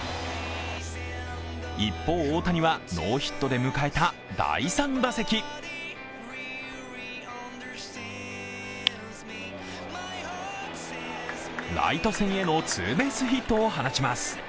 一方、大谷はノーヒットで迎えた第３打席ライト線へのツーベースヒットを放ちます。